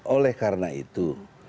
oleh karena itu